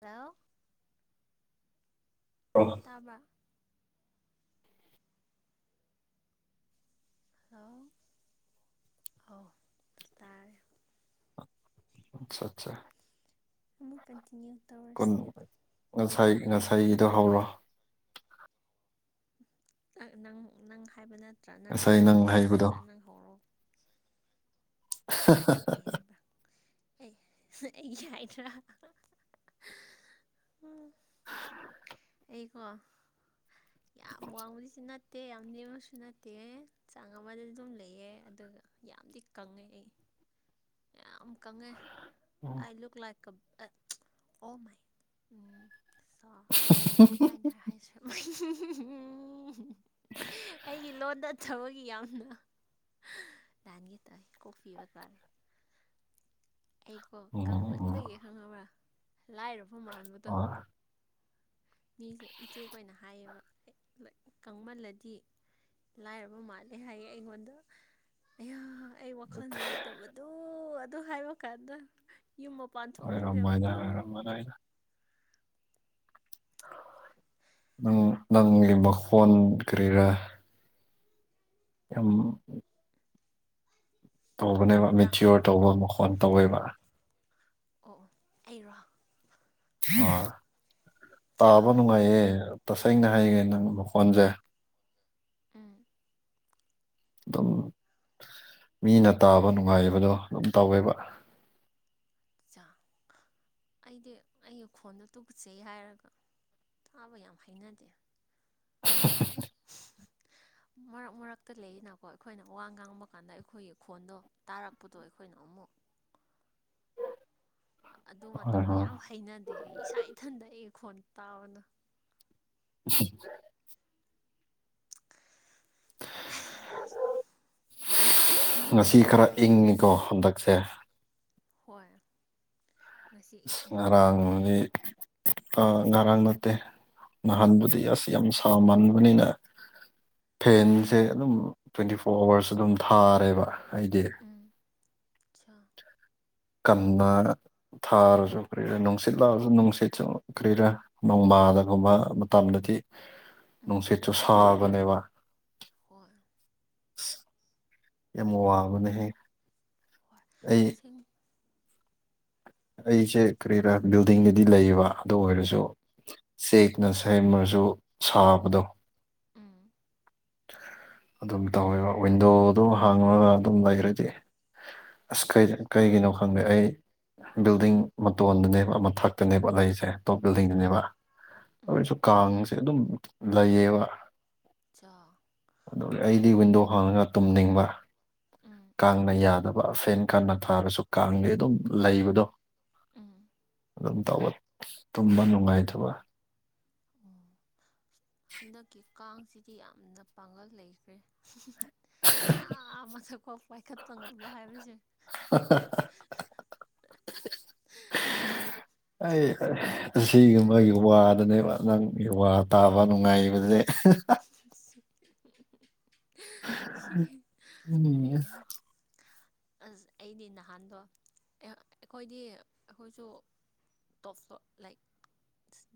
Hello ꯑꯣ ꯇꯥꯕꯔꯥ hello ꯑꯥꯎ ꯇꯥꯔꯦ ꯑꯆꯥ ꯑꯠꯆꯥ ꯑꯃꯃꯛ ꯀꯟꯇꯤꯅꯌꯨ ꯀꯨꯟ ꯉꯁꯥꯏ ꯉꯁꯥꯏꯗꯣ ꯍꯧꯔꯣ ꯅꯪ ꯅꯪ ꯍꯥꯏꯕ ꯅꯠꯇ꯭ꯔꯥ ꯅꯪ ꯉꯁꯥꯏ ꯉꯥꯡꯅ ꯂꯩꯕ ꯍꯩꯕꯗꯣ ꯅꯠꯇ꯭ꯔꯥ ꯅꯪ ꯍꯧꯔꯛꯑꯣ ꯀꯩꯀꯩ ꯍꯥꯏꯕ ꯑꯦ ꯑꯩꯒꯤ ꯍꯥꯏꯗ꯭ꯔꯥ ꯑꯩꯀꯣ ꯌꯥꯝ ꯋꯥꯡꯕꯗꯤ ꯁꯤ ꯅꯠꯇꯦ ꯅꯠꯇꯦ ꯌꯥꯝ ꯅꯦꯝꯕꯁꯨ ꯅꯠꯇꯦ ꯆꯥꯡ ꯑꯃꯗ ꯑꯗꯨꯝ ꯂꯩꯌꯦꯦ ꯑꯗꯨꯒ ꯌꯥꯝꯗꯤ ꯀꯪꯉꯦ ꯑꯩ ꯌꯥꯝ ꯀꯪꯉꯦ ꯑ ꯂꯨ ꯂꯥꯛꯀ ꯑꯣ ꯃꯥꯏ ꯎꯝ ꯁꯣ ꯀꯃꯥꯏꯅ ꯍꯥꯏꯁꯔꯛ ꯑꯩꯒꯤ ꯂꯣꯟꯗ ꯊꯕꯒꯤ ꯌꯥꯝꯅ ꯇꯟꯒ ꯇꯥꯏ ꯀꯣꯛ ꯄꯤꯕ ꯇꯥꯔꯦ ꯑꯩꯀꯣ ꯎꯝ ꯎꯝ ꯀꯪꯃꯟꯕꯒꯤ ꯈꯪꯉꯕ꯭ꯔꯥ ꯂꯥꯏꯔꯕ ꯃꯥꯟꯕꯗꯣ ꯍꯣꯏ ꯃꯤꯁꯦ ꯏꯆꯦꯛ ꯑꯣꯏꯅ ꯍꯥꯏꯌꯦꯕ ꯀꯪꯃꯜꯂꯗꯤ ꯂꯥꯏꯔꯕ ꯃꯥꯜꯂꯦ ꯍꯥꯏꯌꯦ ꯑꯩꯉꯣꯟꯗ ꯑ ꯑꯩ ꯋꯥꯈꯜ ꯅꯨꯡꯉꯥꯏꯇꯕꯗꯨꯣ ꯑꯗꯨ ꯍꯥꯏꯕ ꯀꯥꯟꯗ ꯌꯨꯝ ꯑꯣꯏꯔꯝꯃꯣꯏꯗ ꯄꯥꯟꯊꯣꯛꯅꯤꯡꯗꯕꯗꯣ ꯑꯣꯏꯔꯝꯃꯔꯣꯏꯗ ꯅꯪ ꯅꯪꯒꯤ ꯃꯈꯣꯟ ꯀꯔꯤꯔ ꯑꯝ ꯇꯧꯕꯅꯦꯕ ꯇꯞꯄ꯭ꯔꯥ ꯃꯦꯆꯤꯌꯣꯔ ꯇꯧꯕ ꯃꯈꯣꯟ ꯇꯧꯋꯦꯕ ꯑꯣ ꯑꯣ ꯑꯩꯔꯣ ꯑꯥ ꯆꯥ ꯇꯥꯕ ꯅꯨꯡꯉꯥꯏꯌꯦ ꯇꯁꯦꯡꯅ ꯍꯥꯏꯒꯦ ꯅꯪ ꯃꯈꯣꯟꯁꯦ ꯑꯝ ꯑꯗꯨꯝ ꯃꯤꯅ ꯇꯥꯕ ꯅꯨꯡꯉꯥꯏꯕꯗꯣ ꯑꯗꯨꯝ ꯇꯧꯋꯦꯕ ꯆꯥꯎ ꯑꯩꯗꯤ ꯑꯩꯒꯤ ꯈꯣꯟꯗ ꯇꯨꯆꯩ ꯍꯥꯏꯔꯒ ꯊꯥꯕ ꯌꯥꯝ ꯍꯩꯅꯗꯦ [unintelligible] ꯃꯔꯛ ꯃꯔꯛꯇ ꯂꯩꯔꯤꯅꯀꯣ ꯑꯩꯈꯣꯏꯅ ꯋꯥ ꯉꯥꯡꯕ ꯀꯥꯟꯗ ꯑꯩꯈꯣꯏꯒꯤ ꯈꯣꯟꯗꯣ ꯇꯥꯔꯛꯄꯗꯣ ꯑꯩꯈꯣꯏꯅ ꯑꯃꯨꯛ ꯑꯗꯨ ꯃꯇꯝꯗ ꯌꯥꯝ ꯍꯩꯅꯗꯦ ꯏꯁꯥ ꯏꯊꯟꯗ ꯑꯩꯒꯤ ꯈꯣꯟ ꯇꯥꯕꯗꫭ [unintelligible] ꯉꯁꯤ ꯈꯔ ꯏꯪꯉꯤꯀꯣ ꯍꯟꯗꯛꯁꯦ ꯍꯣꯏ ꯉꯁꯤ ꯏꯒꯦ ꯉꯔꯥꯡꯗꯤ ꯑꯥ ꯉꯔꯥꯡ ꯅꯠꯇꯦ ꯅꯍꯥꯟꯕꯨꯗꯤ ꯑꯁ ꯌꯥꯝ ꯁꯃꯟꯕꯅꯤꯅ‌ ꯐꯦꯟꯁꯦ ꯑꯗꯨꯝ ꯇ꯭ꯋꯦꯟꯇꯤ ꯐꯣꯔ ꯑꯋꯥꯔꯁ ꯑꯗꯨꯝ ꯊꯥꯔꯦꯕ ꯑꯩꯗꯤ ꯎꯝ ꯆꯥ ꯀꯟꯅ ꯊꯥꯔꯁꯨ ꯀꯔꯤꯔꯥ ꯅꯨꯡꯁꯤꯠ ꯂꯥꯛꯑꯁꯨ ꯅꯨꯡꯁꯤꯠꯁꯨ ꯀꯔꯤꯔꯥ ꯅꯣꯡꯃꯥꯗꯒꯨꯝꯕ [unintelligible] ꯃꯇꯝꯗꯗꯤ ꯎꯝ ꯅꯨꯡꯁꯤꯠ ꯆꯁꯨ ꯁꯥꯕꯅꯦꯕ ꯍꫭꯏ ꯑꯁ ꯌꯥꯝ ꯋꯥꯡꯕꯅꯦꯍꯦ ꯑꯩ ꯎ [unintelligible] ꯑꯩꯁꯦ ꯀꯔꯤꯔꯥ ꯕꯤꯜꯗꯤꯡꯗꯗꯤ ꯂꯩꯌꯦꯕ ꯑꯗꯨ ꯑꯣꯏꯔꯁꯨ ꯆꯦꯛꯅ ꯁꯩꯃꯔꯁꯨ ꯁꯥꯕꯗꯣ ꯎꯝ ꯑꯗꯨꯝ ꯇꯧꯋꯦꯕ ꯋꯤꯟꯗꯣꯒꯗꯨ ꯍꯥꯡꯉꯒ ꯑꯗꯨꯝ ꯂꯩꯈꯔꯗꯤ ꯑꯁ ꯀꯩꯒꯤ ꯀꯩꯒꯤꯅꯣ ꯈꯪꯗꯦ ꯑꯩ ꯕꯤꯜꯗꯤꯡ ꯃꯇꯣꯟꯗꯅꯦꯕ ꯃꯊꯛꯇꯅꯦꯕ ꯂꯩꯁꯦ ꯑꯇꯣꯞ ꯕꯤꯜꯗꯤꯡꯗꯨꯅꯦꯕ ꯑꯣ ꯑꯗꯨ ꯎꯝ ꯑꯣꯏꯔꯁꯨ ꯀꯥꯡꯁꯦ ꯑꯗꯨꯝ ꯂꯩꯌꯦꯕ ꯆꯥꯎ ꯑꯗꯨꯒ ꯑꯩꯗꯤ ꯋꯤꯟꯗꯣ ꯍꯥꯡꯉꯒ ꯇꯨꯝꯅꯤꯡꯕ ꯎꯝ ꯀꯥꯡꯅ ꯌꯥꯗꯕ ꯐꯦꯟ ꯀꯟꯅ ꯊꯥꯔꯁꯨ ꯀꯥꯡꯗꯤ ꯑꯗꯨꯝ ꯂꯩꯕꯗꯣ ꯎꯝ ꯑꯗꯨꯝ ꯇꯧꯕ ꯇꯨꯝꯕ ꯅꯨꯡꯉꯥꯏꯇꯕ ꯎꯝ ꯍꯟꯗꯛꯀꯤ ꯀꯥꯡꯁꯤꯗꯤ ꯌꯥꯝꯅ ꯄꯥꯡꯒꯜ ꯂꯩꯈ꯭ꯔꯦ ꯑꯥ ꯃꯊꯛꯐꯥꯎ ꯄꯥꯏꯈꯠꯄ ꯉꯝꯕ ꯍꯥꯏꯕꯁꯦ [unintelligible] [unintelligible] ꯑꯩ ꯅꯠ ꯑꯁꯤꯒꯨꯝꯕꯒꯤ ꯋꯥꯗꯅꯦꯕ ꯅꯪꯒꯤ ꯋꯥ ꯇꯥꯕ ꯅꯨꯡꯉꯥꯏꯔꯤꯕꯁꯦ ꯑ [unintelligible] ꯑꯅꯤ [unintelligible] ꯑꯁ ꯑꯩꯗꯤ ꯅꯍꯥꯟꯗꯣ ꯑꯩꯈꯣꯏꯗꯤ ꯑꯩꯈꯣꯏꯁꯨ ꯇꯣꯞ [unintelligible] ꯂꯥꯏꯛ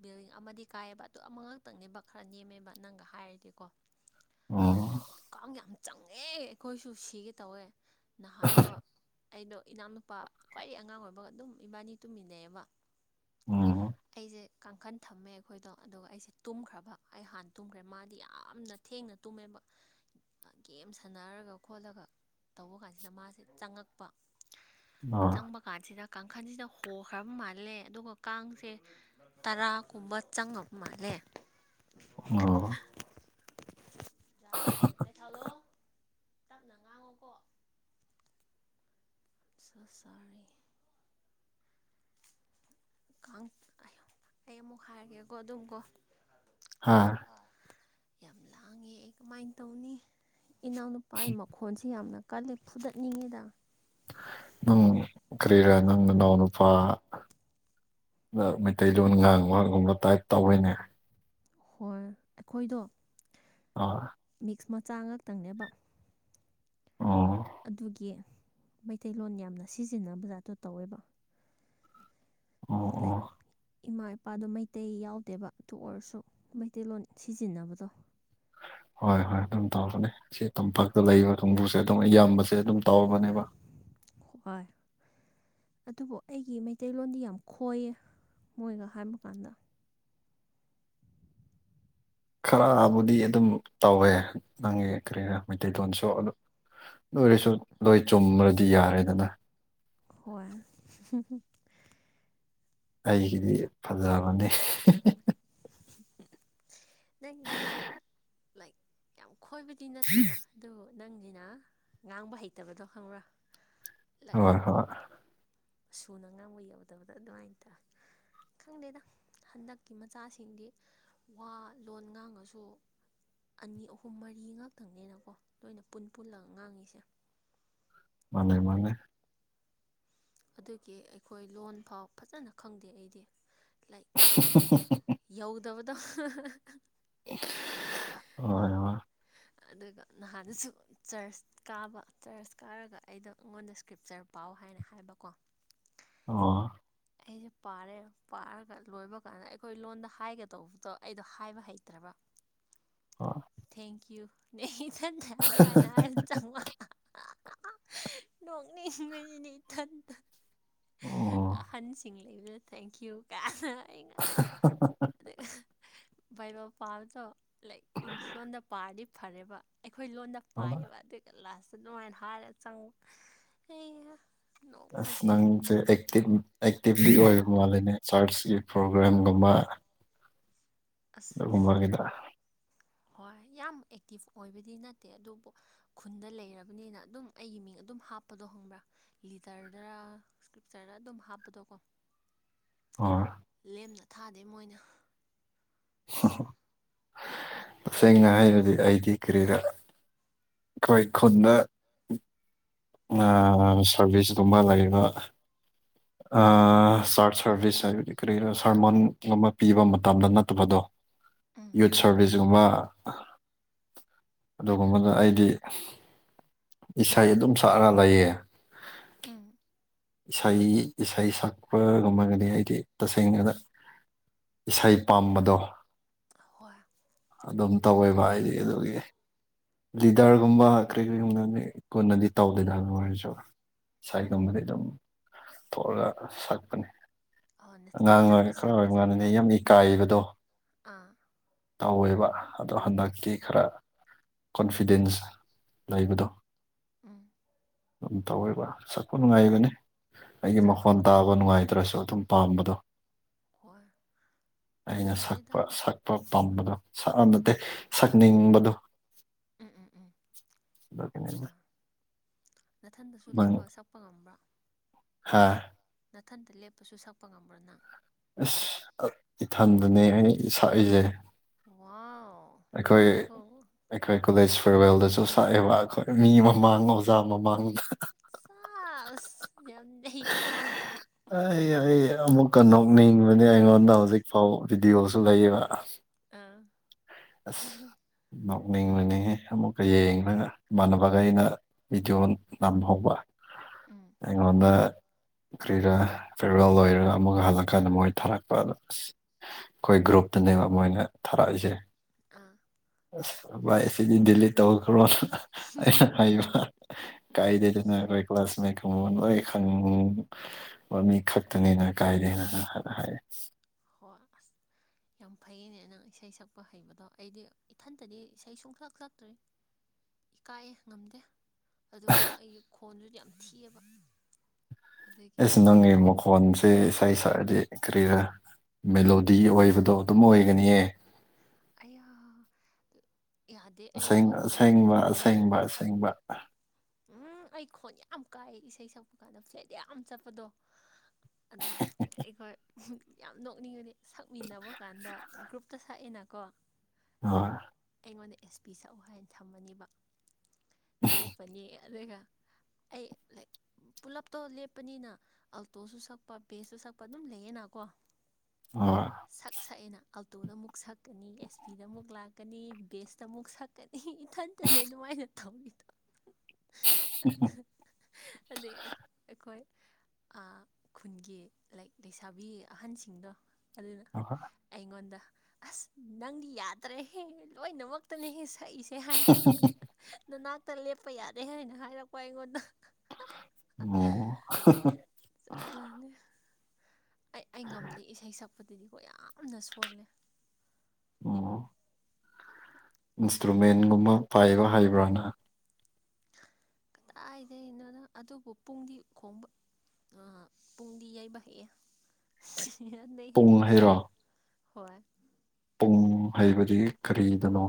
ꯕꯤꯜꯗꯤꯡ ꯑꯃꯗꯤ ꯀꯥꯏꯑꯕ ꯑꯗꯨ ꯑꯃꯉꯛꯇꯪꯅꯦꯕ ꯈꯔ ꯅꯦꯝꯃꯦꯕ ꯅꯪꯒ ꯍꯥꯏꯔꯗꯤꯀꯣ ꯎꯝ ꯀꯥꯡ ꯌꯥꯝ ꯆꯪꯉꯦ ꯑꯩꯈꯣꯏꯁꯨ ꯁꯤꯒꯦ ꯇꯧꯋꯦ ꯅꯍꯥꯟꯗꯣ ꯑꯩꯗꯣ ꯏꯅꯥꯎꯅꯨꯄꯥ ꯈ꯭ꯋꯥꯏꯗꯒꯤ ꯑꯉꯥꯡ ꯑꯣꯏꯕꯒ ꯑꯗꯨꯝ ꯏꯕꯥꯅꯤ ꯇꯨꯝꯃꯤꯟꯅꯩꯑꯕ ꯎꯝ ꯑꯩꯁꯦ ꯀꯥꯡꯈꯟ ꯊꯝꯃꯦ ꯑꯩꯈꯣꯏꯗꯣ ꯑꯗꯨꯒ ꯑꯩꯁꯦ ꯇꯨꯝꯈ꯭ꯔꯕ ꯑꯩ ꯍꯥꯟꯅ ꯇꯨꯝꯈ꯭ꯔꯦ ꯃꯥꯗꯤ ꯌꯥꯝꯅ ꯊꯦꯡꯅ ꯇꯨꯝꯃꯦꯕ ꯒꯦꯝ ꯁꯥꯟꯅꯔꯒ ꯈꯣꯠꯂꯒ ꯇꯧꯕ ꯀꯥꯟꯁꯤꯗ ꯃꯥꯁꯦ ꯆꯪꯉꯛꯄ ꯑꯣ ꯆꯪꯕ ꯀꯥꯟꯁꯤꯗ ꯀꯥꯡꯈꯜꯁꯤꯗ ꯍꯣꯈ꯭ꯔꯕ ꯃꯥꯜꯂꯦ ꯑꯗꯨꯒ ꯀꯥꯡꯁꯦ ꯇꯔꯥꯒꯨꯝꯕ ꯆꯪꯉꯕ ꯃꯥꯜꯂꯦ ꯑꯣ ꯥꯏ [unintelligible] ꯀꯩ ꯊꯂꯣ ꯇꯞꯅ ꯉꯥꯡꯉꯣꯀꯣ ꯆꯥꯛ ꯆꯔ‌ꯦ ꯀꯥꯡ ꯑꯩ ꯑꯃꯨꯛ ꯍꯥꯏꯔꯒꯦꯀꯣ ꯑꯗꯨꯝ ꯀꯣ ꯍꯥꯥ ꯌꯥꯝ ꯂꯥꯡꯉꯦ ꯑꯩ ꯀꯃꯥꯏꯅ ꯇꯧꯅꯤ ꯏꯅꯥꯎꯅꯨꯄꯥꯒꯤ ꯃꯈꯣꯟꯁꯤ ꯌꯥꯝꯅ ꯀꯜꯂꯤ ꯐꯨꯗꯠꯅꯤꯡꯉꯤꯗ ꯅꯪ ꯀꯔꯤꯔꯥ ꯅꯪ ꯅꯅꯥꯎ ꯅꯨꯄꯥ ꯃꯩꯇꯩꯂꯣꯟ ꯉꯥꯡꯕ ꯉꯨꯝꯕ ꯇꯥꯏꯞ ꯇꯧꯋꯩꯅꯦ ꯍꯣꯏ ꯑꯩꯈꯣꯏꯗꯣ ꯑꯣ ꯃꯤꯛꯁ ꯃꯆꯥ ꯉꯥꯛꯛꯇꯪꯅꯦꯕ ꯑꯣ ꯑꯗꯨꯒꯤ ꯃꯩꯇꯩꯂꯣꯟ ꯌꯥꯝꯅ ꯁꯤꯖꯤꯟꯅ ꯖꯥꯠꯇꯣ ꯇꯧꯋꯦꯕ ꯑꯣ ꯂꯥꯏꯛ ꯑꯣ ꯏꯃꯥ ꯏꯄꯥꯗꯣ ꯃꯩꯇꯩ ꯌꯥꯎꯗꯦꯕ ꯑꯗꯨ ꯑꯣꯏꯔꯁꯨ ꯃꯩꯇꯩꯂꯣꯟ ꯁꯤꯖꯤꯟꯅꯕꯗꯣ ꯍꯣꯏ ꯍꯣꯏ ꯑꯗꯨꯝ ꯇꯧꯔꯕꯅꯦ ꯁꯤ ꯇꯝꯄꯥꯛꯇ ꯂꯩꯕ ꯀꯥꯡꯕꯨꯁꯦ ꯑꯗꯨꯝ ꯑꯌꯥꯝꯕꯁꯦ ꯑꯗꯨꯝ ꯇꯧꯔꯕꯅꯦꯕ ꯍꯏ ꯑꯗꯨꯕꯨ ꯑꯩꯒꯤ ꯃꯩꯇꯩꯂꯣꯟꯗꯤ ꯌꯥꯝ ꯈꯣꯏꯌꯦ ꯃꯣꯏꯒ ꯍꯥꯏꯕ ꯀꯥꯟꯗ [inaudible] ꯈꯔꯕꯨꯗꯤ ꯑꯗꯨꯝ ꯇꯧꯋꯦ ꯅꯪꯒꯤ ꯀꯔꯤꯅ ꯃꯩꯇꯩꯂꯣꯟꯁꯨ ꯑꯗꯨ ꯂꯣꯏꯔꯁꯨ ꯂꯣꯏ ꯆꯨꯝꯃ꯭ꯔꯗꯤ ꯌꯥꯔꯦꯗꯅ ꯍꯣꯏ ꯑꯩꯒꯤꯗꯤ ꯐꯖꯕꯅꯤ ꯅꯉꯗꯤ ꯂꯥꯏꯛ ꯌꯥꯝ ꯈꯣꯏꯕꯗꯤ ꯅꯠꯇꯦꯕ ꯑꯗꯨꯕꯨ ꯅꯪꯁꯤꯅ ꯉꯥꯡꯕ ꯍꯩꯇꯕꯗꯣ ꯈꯪꯕ꯭ꯔꯥ ꯂꯥꯏꯛ ꯍꯣꯏ ꯍꯣꯏ ꯁꯨꯅ ꯉꯥꯡꯕ ꯌꯧꯗꯕꯗ ꯑꯗꯨꯃꯥꯏꯅ ꯇꯧꯦ ꯈꯪꯗꯦꯗ ꯍꯟꯗꯛꯀꯤ ꯃꯆꯥꯁꯤꯡꯗꯤ ꯋꯥ ꯂꯣꯟ ꯉꯥꯡꯉꯁꯨ ꯑꯅꯤ ꯑꯍꯨꯝ ꯃꯔꯤ ꯉꯥꯛꯇꯪꯅꯦꯅꯀꯣ ꯂꯣꯏꯅ ꯄꯨꯟ ꯄꯨꯜꯂꯒ ꯉꯥꯡꯉꯤꯁꯦ ꯃꯥꯅꯦ ꯃꯥꯅꯦ ꯑꯗꯨꯒꯤ ꯑꯩꯈꯣꯏ ꯂꯣꯟ ꯐꯥꯎ ꯐꯖꯅ ꯈꯪꯗꯦ ꯑꯩꯗꯤ ꯂꯥꯏꯛ ꯌꯧꯗꯕꯗꯣ ꯍ ꯍ ꯑꯗꯨ ꯅꯅꯁꯨ ꯆꯔꯁ ꯀꯥꯕ ꯆꯔꯁ ꯀꯥꯔꯒ ꯑꯩꯗꯣ ꯑꯩꯉꯣꯟꯗ ꯏꯁꯀ꯭ꯔꯤꯞꯆꯔ ꯄꯥꯎ ꯍꯥꯏꯅ ꯍꯥꯏꯕꯀꯣ꯫ ꯑꯣ꯫ ꯑꯩꯁꯦ ꯄꯥꯔꯦ ꯄꯥꯔꯒ ꯂꯣꯏꯕ ꯀꯥꯟꯗ ꯑꯩꯈꯣꯏ ꯂꯣꯟꯗ ꯍꯥꯏꯒꯗꯧꯕꯗꯣ ꯑꯩꯗꯣ ꯍꯥꯏꯕ ꯍꯩꯇ꯭ꯔꯕ ꯑꯣ ꯊꯦꯡꯀ ꯌꯨ ꯅ ꯊ ꯑꯗꯨꯃꯥꯏꯅ ꯅꯣꯛꯅꯤꯡꯉꯤꯅꯤ ꯏꯊꯟꯇ꯫ ꯑꯣ ꯍꯣꯏ ꯑꯍꯟꯁꯤꯡ ꯂꯩꯕꯗ ꯊꯦꯡꯀ꯭ꯌꯨ ꯀꯥꯏ ꯑꯩꯅ꯫ ꯚꯏꯕꯜ ꯄꯥꯕꯗꯣ ꯂꯥꯏꯛ ꯏꯪꯂꯤꯁ ꯂꯣꯟꯗ ꯄꯥꯔꯗꯤ ꯐꯔꯦꯕ꯫ ꯑꯈꯣꯏ ꯂꯣꯟꯗ ꯄꯥꯏꯑꯌꯦꯕ ꯑꯗꯨꯒ ꯂꯥꯁꯇ ꯑꯗꯨꯃꯥꯏꯅ ꯍꯥꯏꯔ ꯆꯪꯕ ꯍꯩ ꯍꯥ꯫ ꯑꯁ ꯅꯪꯁꯦ ꯑꯦꯛꯇꯤꯚ ꯑꯦꯛꯇꯤꯚꯂꯤ ꯑꯣꯏꯕ ꯃꯥꯂꯦꯅꯦ ꯆꯔꯁꯀꯤ ꯄ꯭ꯔꯣꯒ꯭ꯔꯥꯝꯒꯨꯝꯕ꯫ ꯑꯁ ꯑꯗꯨꯒꯨꯝꯕꯒꯤꯗ ꯍꯣꯏ ꯌꯥꯝ ꯑꯦꯛꯇꯤꯞ ꯑꯣꯏꯕꯗꯤ ꯅꯠꯇꯦ ꯑꯗꯨꯕꯨ꯫ ꯈꯨꯟꯗ ꯂꯩꯔꯕꯅꯤꯅ ꯑꯗꯨꯝ ꯑꯩꯒꯤ ꯃꯤꯡ ꯑꯗꯨꯝ ꯍꯥꯞꯄꯗꯣ ꯈꯪꯕ꯭ꯔꯥ꯫ ꯂꯤꯗꯔꯅꯔ ꯏꯁꯀ꯭ꯔꯤꯞꯆꯔꯅ ꯑꯗꯨꯝ ꯍꯥꯞꯄꯗꯣꯀꯣ꯫ ꯑꯣ꯫ ꯂꯦꯝꯅ ꯊꯥꯗꯦ ꯃꯣꯏꯅ꯫ ꯇꯁꯦꯡꯅ ꯍꯥꯏꯔꯗꯤ ꯑꯩꯗꯤ ꯀꯔꯤꯔ꯫ ꯑꯈꯣꯏ ꯈꯨꯟꯗ ꯑꯃꯥ ꯁꯥꯔꯚꯤꯁꯀꯨꯝꯕ ꯂꯩꯕ꯫ ꯫ [inaudible] ꯆꯥꯔꯖ ꯁꯔꯚꯤꯁ ꯍꯥꯏꯕꯗꯤ ꯀꯔꯤ ꯁꯥꯔꯃꯣꯟ ꯑꯃ ꯄꯤꯕ ꯃꯇꯝꯗ ꯅꯠꯇꯕꯗꯣ꯫ ꯎꯝ ꯌꯨꯠ ꯁꯥꯔꯚꯤꯁꯒꯨꯝꯕ ꯑꯗꯨꯒꯨꯝꯕꯅ ꯑꯩꯗꯤ꯫ ꯏꯁꯩ ꯑꯗꯨꯝ ꯁꯛꯑꯒ ꯂꯩꯌꯦ꯫ ꯎꯝ꯫ ꯏꯁꯩ ꯏꯁꯩ ꯁꯛꯄ ꯉꯝꯃꯒꯅꯤ ꯍꯥꯏꯗꯤ ꯇꯁꯦꯡꯅ꯫ ꯏꯁꯩ ꯄꯥꯝꯕꯗꯣ꯫ ꯍꯣꯏ꯫ ꯑꯗꯨꯝ ꯇꯧꯋꯦꯕ ꯍꯥꯏꯗꯤ ꯑꯗꯨꯒꯤ꯫ ꯂꯤꯗꯔꯒꯨꯝꯕ ꯀꯔꯤ ꯀꯔꯤꯒꯨꯝꯕꯅꯤ ꯀꯣꯟꯅꯗꯤ ꯇꯧꯗꯦꯅ ꯃꫭꯏꯁꯨ꯫ ꯎꯝ ꯁꯥꯏꯒꯕꯗꯒꯤ ꯑꯗꯨꯝ ꯊꯣꯛꯂꯒ ꯁꯛꯄꯅꯤ꯫ ꯑꯣ ꯅ- ꯑꯉꯥꯡ ꯅꯊꯟꯇ ꯑꯣꯏ ꯈꯔ ꯁꯛꯄ ꯑꯣꯏꯕ ꯖꯥꯠꯇ ꯒꯥꯟꯗꯗꯤ ꯌꯥꯝ ꯏꯀꯥꯏꯕꯗꯣ꯫ ꯑꯥ ꯇꯧꯋꯦꯕ ꯑꯗꯣ ꯍꯟꯗꯛꯇꯤ ꯈꯔ꯫ ꯀꯣꯟꯐꯤꯗꯦꯟꯁ ꯂꯩꯕꯗꯣ꯫ ꯎꯝ꯫ ꯑꯗꯨꯝ ꯇꯧꯋꯦꯕ ꯁꯛꯄ ꯅꯨꯡꯉꯥꯏꯕꯅꯤ ꯑꯩꯒꯤ ꯆꯥ ꯃꯈꯣꯟ ꯇꯥꯕ꯫ ꯅꯨꯡꯉꯥꯏꯇ꯭ꯔꯁꯨ ꯑꯗꯨꯝ ꯄꯥꯝꯕꯗꯣ ꯍꯣꯏ ꯀꯩꯝ ꯑꯩꯅ ꯇꯧꯗꯦꯗ ꯁꯛꯄ꯫ ꯄꯥꯝꯕꯗꯣ ꯁꯛꯅ ꯅꯠꯇꯦ ꯁꯛꯅꯤꯡꯕꯗꯣ꯫ ꯎꯝ ꯎꯝ ꯎꯝ ꯑꯗꯨꯒꯤꯅꯤꯗ ꯍꯣꯏ ꯅꯊꯟꯗꯁꯨ ꯅꯪ ꯂꯦꯞꯄꯒ ꯁꯛ꯫ ꯄꯉꯝꯕ꯭ꯔꯥ꯫ ꯍꯥ꯫ ꯅꯥꯊꯟꯇ ꯂꯦꯞꯄꯁꯨ ꯁꯛꯄ ꯉꯝꯕ꯭ꯔꫭ ꯅꯪ꯫ ꯑꯁ ꯏꯊꯗꯅꯦ ꯍ‌ꯦ ꯁꯛꯏꯁꯦ꯫ ꯋꯥꯎ꯫ ꯑꯩꯈꯣꯏ꯫ ꯌꯥꯏꯀꯣ ꯑꯈꯣꯏ ꯀꯣꯂꯦꯖ ꯐꯔꯋꯦꯜꯗꯁꯨ ꯁꯛꯑꯦꯕ ꯑꯈꯣꯏ ꯃꯤ ꯃꯃꯥꯡ ꯑꯣꯖꯥ ꯃꯃꯥꯡꯗ꯫ ꯁꯥꯁ ꯌꯥꯝꯅꯩꯀꯣ꯫ ꯑꯩ ꯑꯩ ꯑꯃꯨꯛꯀ ꯅꯣꯛꯅꯤꯡꯕꯅꯤ ꯑꯩꯉꯣꯟꯗ ꯍꯧꯖꯤꯛ ꯐꯥꯎꯕ ꯚꯗꯤꯑꯣꯁꯨ ꯂꯩꯌꯦꯕ꯫ ꯑꯥ ꯑꯁ ꯅꯣꯛꯅꯤꯡ ꯂꯣꯏꯅꯤꯡꯉꯤ ꯑꯃꯨꯛꯀ ꯌꯦꯡꯅꯒ ꯏꯃꯥꯟꯅꯕꯒ ꯑꯩꯅ ꯆ ꯅꯝꯕꯕ ꯎꯝ ꯑꯉꯣꯗ ꯄꯨ ꯀ꯭ꯔꯤꯔꯥ ꯐꯦꯔꯋꯦꯜ ꯑꯣꯏꯣꯏꯔꯒ ꯑꯃꯛꯒ ꯍꯜꯂꯛꯀꯥꯟꯗ ꯃꯣꯏ ꯊꯥꯔꯛꯄ ꯑꯗꯣ ꯑꯁ ꯑꯩꯈꯣꯏ ꯒ꯭ꯔꯨꯞꯇꯅꯦꯕ ꯃꯣꯏꯅ ꯊꯥꯔꯛꯏꯁꯦ ꯑꯥ ꯑ ꯥꯏ ꯁꯤꯗꯤ ꯗꯜꯂꯤ ꯇꯧ ꯈꯔꯣꯩꯅ ꯐ ꯀꯥꯏꯗꯩꯗꯅꯦ ꯀ꯭ꯂꯥꯁꯪꯦ ꯈꯪ ꯋꯥꯃꯤ ꯈꯛꯇꯅꯤ ꯅꫭꯏ ꯀꯥꯏ ꯂꯩ ꯍꯥꯟꯅ ꯍꯥꯏꯌ‌ꯦ꯫ ꯍꫭ ꯑꯁ꯫ ꯌꯥꯝ ꯐꯩꯌꯦꯅꯦ ꯅꯪ ꯏꯁꯩ ꯁꯛꯄ ꯍꯩꯕꯗꯣ ꯑꯩꯗꯤ ꯏꯊꯟꯇꯗꯤ ꯏꯁꯩ ꯁꯨꯡ ꯁꯛ ꯁꯛꯇ꯭ꯔꯤ꯫ ꯏꯀꯥꯏꯌ‌ꯦ ꯉꯝꯗꯦ꯫ ꯑꯗꯨꯒ ꯑꯩꯒꯤ ꯈꯣꯟꯗꯨ ꯌꯥꯝ ꯊꯤꯌ‌‌ꯦꯕ꯫ ꯑꯦꯁ ꯅꯪꯒꯤ ꯃꯈꫭꯜ꯫ ꯐꯣꯟꯁꯦ ꯏꯁꯥ ꯏꯁꯥꯗꯤ ꯀꯔꯤꯔ ꯃꯦꯂꯣꯗꯤ ꯑꯣꯏꯕꯗꯣ ꯑꯗꯨꯝ ꯑꯣꯏꯒꯅꯤꯌꯦ꯫ ꯑꯩꯌꯥ꯫ ꯑꯁ ꯑꯁꯦꯡꯕ ꯑꯁꯦꯡꯕ ꯑꯁꯦꯡꯕ ꯎꯝ ꯑꯩ ꯈꯣꯟ ꯌꯥꯝ ꯀꯥꯏ ꯏꯁꯩ ꯁꯛꯄ ꯀꯥꯟꯗ ꯐ꯭ꯂꯦꯠ ꯌꯥꯝ ꯆꯠꯄꯗꯣ ꯑꯗꯨꯒ ꯑꯩꯈꯣꯏ ꯌꯥꯝ ꯅꯣꯛꯅꯤꯡꯉꯅꯤ ꯁꯛꯃꯤꯟꯅꯕ ꯀꯥꯟꯗ ꯒ꯭ꯔꯨꯞꯇ ꯁꯛꯑꯦꯅꯀꯣ ꯍꯣꯏ ꯑꯩꯉꯣꯟꯗ ꯑꯦꯁ ꯄꯤ ꯁꯛꯎ ꯍꯥꯏꯅ ꯊꯝꯃꯅꯤꯕ ꯂꯦꯞꯄꯅꯤ ꯑꯗꯨꯒ ꯑꯩ ꯂꯩꯥꯏꯛ ꯄꯨꯂꯞꯇꯣ ꯂꯦꯞꯄꯅꯤꯅ ꯑꯜꯇꯣꯁꯨ ꯁꯛꯄ ꯕꯦꯁꯁꯨ ꯁꯛꯄ ꯑꯗꯨꯝ ꯂꯩꯌꯦꯅꯀꯣ ꯍ ꯁꯛ ꯁꯛꯑꯦꯅ ꯑꯜꯇꯣꯗ ꯑꯃꯨꯛ ꯁꯛꯀꯅꯤ ꯑꯦꯁ ꯄꯤꯗ ꯑꯃꯨꯛ ꯂꯥꯛ ꯁꯛꯀꯅꯤ ꯕꯦꯁꯇ ꯑꯃꯨꯛ ꯁꯛꯀꯅꯤ ꯏꯊꯟꯇꯅꯦ ꯑꯗꯨꯃꯥꯏꯅ ꯇꯧꯔꯤꯗꯣ ꯑꯗꯩ ꯑꯩꯈꯣꯏ ꯈꯨꯟꯒꯤ ꯂꯩ ꯂꯩꯁꯥꯕꯤ ꯑꯍꯟꯁꯤꯡꯗꯣ ꯑꯗꯨꯅ ꯍꯣꯏ ꯍꯣꯏ ꯑꯩꯉꯣꯟꯗ ꯑꯁ ꯅꯪꯗꯤ ꯌꯥꯗ꯭ꯔꯦꯍꯦ ꯂꯣꯏꯅꯃꯛꯇꯅꯦꯍꯦ ꯁꯛꯏꯁꯦ ꯑꯦ ꯍꯥꯏꯅ ꯅꯅꯥꯛꯇ ꯂꯦꯞꯄ ꯌꯥꯔꯦ ꯍꯥꯏꯅ ꯍꯥꯏꯔꯛꯄ ꯑꯩꯉꯣꯟꯗ ꯑꯣ ꯖꯥꯠ ꯖꯥꯠꯅꯤ ꯑꯩ ꯑꯩ ꯉꯝꯗꯦ ꯏꯁꯩ ꯁꯛꯄꯗꯗꯤꯀꯣ ꯌꯥꯝꯅ ꯁꯣꯜꯂꯦ ꯑꯣ ꯑꯣ ꯏꯟꯁꯇ꯭ꯔꯨꯃꯦꯟꯒꯨꯝꯕ ꯄꯥꯏꯕ ꯍꯩꯕ꯭ꯔꯣ ꯅꯪ ꯀꯗꯥꯏꯗꯒꯤꯅꯣꯗ ꯑꯗꯨꯕꯨ ꯄꯨꯡꯗꯤ ꯈꯣꯡꯕ ꯄꯨꯡꯗꯤ ꯌꯩꯕ ꯍꯩꯌꯦ ꯏꯁ ꯄꯨꯡ ꯍꯦꯇꯔꯁ ꯍꯩꯔꯣ ꯍꯣꯏ ꯄꯨꯡ ꯍꯩꯕꯗꯤ ꯀꯔꯤꯗꯅꯣ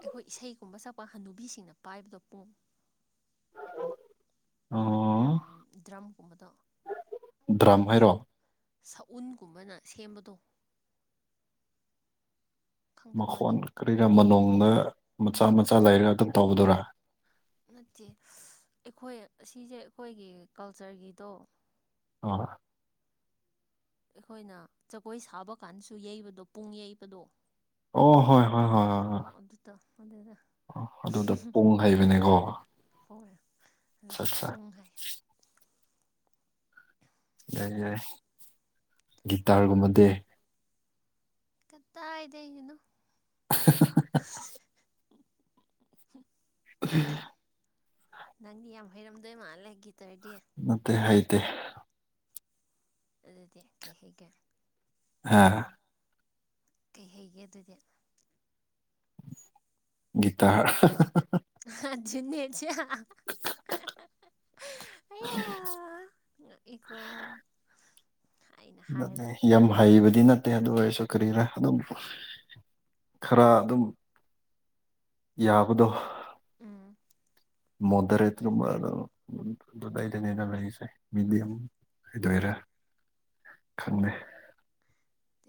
ꯑꯩꯈꯣꯏ ꯏꯁꯩꯒꯨꯝꯕ ꯁꯛꯄ ꯍꯅꯨꯕꯤꯁꯤꯡꯅ ꯄꯥꯏꯕꯗꯣ ꯄꯨꯡ ꯑꯣ ꯎꯝ ꯗ꯭ꯔꯝꯒꯨꯝꯕꯗꯣ ꯗ꯭ꯔꯝ ꯍꯥꯏꯔꯣ ꯁꯎꯟꯒꯨꯝꯕꯅ ꯁꯦꯝꯕꯗꯣ ꯈꯪꯗꯕ꯭ꯔꯅꯦ ꯃꯈꯣꯟ ꯀꯔꯤꯔ ꯃꯅꯣꯡꯗ ꯃꯆꯥ ꯃꯆꯥ ꯂꯩꯔ ꯑꯗꯨꯝ ꯇꯧꯕꯗꯨꯔꯥ ꯅꯠꯇꯦ ꯑꯩꯈꯣꯏ ꯑꯁꯤꯁꯦ ꯑꯩꯈꯣꯏꯒꯤ ꯀꯜꯆꯔꯒꯤꯗꯣ ꯑꯣ ꯑꯩꯈꯣꯏꯅ ꯖꯒꯣꯏ ꯁꯥꯕ ꯀꯥꯟꯗꯁꯨ ꯌꯩꯕꯗꯣ ꯄꯨꯡ ꯌꯩꯕꯗꯣ ꯑꯣ ꯍꯣꯏ ꯍꯣꯏ ꯍꯣꯏ ꯍꯣꯏ ꯍꯣꯏ ꯑꯣ ꯑꯗꯨꯗꯣ ꯑꯗꯨꯗꯣ ꯑꯣ ꯑꯗꯨꯗ ꯄꯨꯡ ꯍꯩꯕꯅꯦꯀꯣ ꯍꯣꯏ ꯑꯠꯆꯥ ꯑꯗꯨꯁꯨ ꯑꯠꯆꯥ ꯄꯨꯡ ꯍꯥꯏ ꯌꯥꯏ ꯌꯥꯏ ꯒꯤꯇꯥꯔꯒꯨꯝꯕꯗꯤ ꯀꯗꯥꯏꯗꯒꯤꯅꯣ [unintelligible] ꯎꯝ ꯅꯪꯗꯤ ꯌꯥꯝ ꯍꯩꯔꯝꯗꯣꯏ ꯃꯥꯜꯂꯦ ꯒꯤꯇꯔꯗꯤ ꯍꯩꯇꯦ ꯍꯩꯇꯦ ꯑꯗꯨꯗꯤ ꯀꯩ ꯍꯩꯒꯦ ꯍꯥ ꯀꯩ ꯍꯩꯒꯦ ꯑꯗꯨꯗꯤ ꯒꯤꯇꯥꯔ ꯍꯥ ꯑꯗꯨꯅꯤ ꯉꯛꯏꯀꯣ ꯑꯩꯅ ꯍꯥꯏꯔꯒ ꯌꯥꯝ ꯍꯩꯕꯗꯤ ꯅꯠꯇꯦ ꯅꯠꯇꯦ ꯑꯗꯨ ꯑꯣꯏꯔꯁꯨ ꯀꯔꯤꯔ ꯑꯗꯨꯝ ꯈꯔ ꯑꯗꯨꯝ ꯌꯥꯕꯗꯣ ꯎꯝ ꯃꯗꯔꯦꯠ ꯀꯨꯝꯕꯗꯣ ꯑꯗꯨꯗꯥꯏꯗꯅꯤꯅ ꯃꯁꯦ ꯃꯤꯦꯗꯤꯌꯝ ꯍꯥꯏꯗꯣꯏꯔ ꯈꯪꯗꯦ